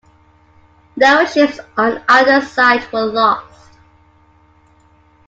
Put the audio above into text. No ships on either side were lost.